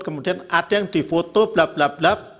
kemudian ada yang difoto blablabla